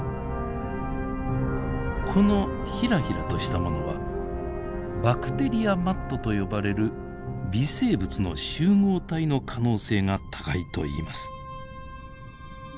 このヒラヒラとしたものはバクテリアマットと呼ばれる微生物の集合体の可能性が高いといいます。